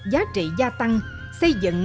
giá trị gia tăng xây dựng